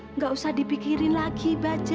enggak usah dipikirin lagi baja